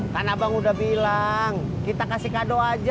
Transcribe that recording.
karena abang udah bilang kita kasih kado aja